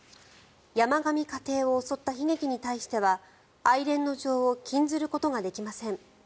山上家庭を襲った悲劇に対しては哀れんの情を禁ずることができません。